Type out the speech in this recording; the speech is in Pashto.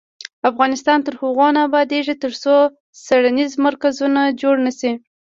افغانستان تر هغو نه ابادیږي، ترڅو څیړنیز مرکزونه جوړ نشي.